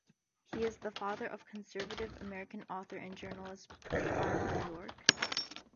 He is the father of conservative American author and journalist Byron York.